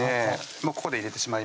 もうここで入れてしまいます